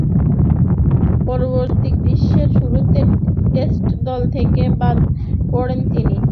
পরবর্তী গ্রীষ্মের শুরুতে টেস্ট দল থেকে বাদ পড়েন তিনি।